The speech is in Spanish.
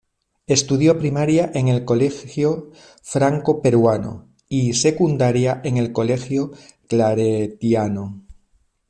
Estudió primaria en el Colegio Franco-Peruano y secundaria en el Colegio Claretiano.